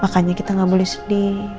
makanya kita nggak boleh sedih